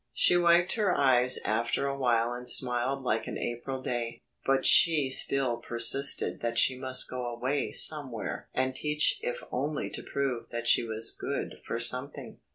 She wiped her eyes after awhile and smiled like an April day, but she still persisted that she must go away somewhere and teach if only to prove that she was good for something.